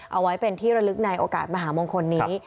เอาไว้เป็นที่ระลึกในโอกาสมหามงคลนี้